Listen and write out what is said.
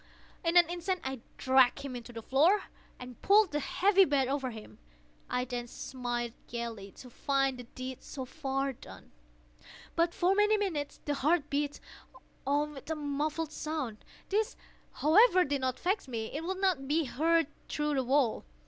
In an instant I dragged him to the floor, and pulled the heavy bed over him. I then smiled gaily, to find the deed so far done. But, for many minutes, the heart beat on with a muffled sound. This, however, did not vex me; it would not be heard through the wall.